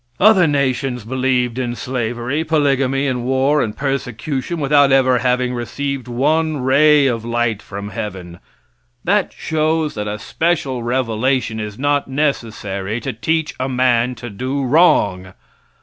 Other nations believed in slavery, polygamy, and war and persecution without ever having received one ray of light from heaven. That shows that a special revelation is not necessary to teach a man to do wrong.